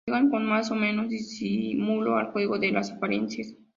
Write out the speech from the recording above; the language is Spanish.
juegan con más o menos disimulo al juego de las apariencias